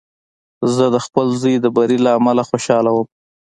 زه د خپل زوی د بري له امله خوشحاله وم.